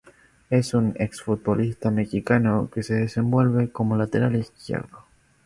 Es un exfutbolista mexicano que se desenvuelve como Lateral izquierdo.